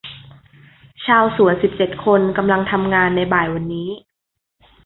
ชาวสวนสิบเจ็ดคนกำลังทำงานในบ่ายวันนี้